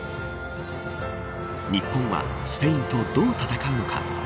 日本はスペインとどう戦うのか。